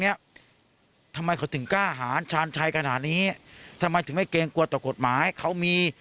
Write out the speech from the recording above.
เนี้ยทำไมเขาถึงกล้าหารชาญชัยขนาดนี้ทำไมถึงไม่เกรงกลัวต่อกฎหมายเขามี